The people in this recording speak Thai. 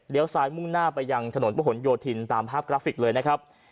ซ้ายมุ่งหน้าไปยังถนนประหลโยธินตามภาพกราฟิกเลยนะครับ